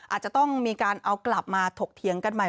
อาจจะต้องมีการเอากลับมาถกเถียงกันใหม่